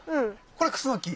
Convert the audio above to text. これクスノキ。